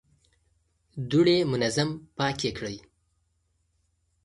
دوړې منظم پاکې کړئ.